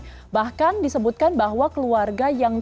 misencing lupa produk per martau z blir rezeki bagi warga gbb negara negara